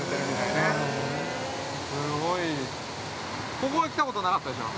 ここへ来たことなかったでしょう。